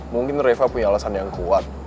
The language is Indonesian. mungkin reva punya alasan yang kuat